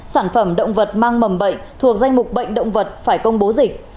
sản phẩm động vật mang mầm bệnh thuộc danh mục bệnh động vật phải công bố dịch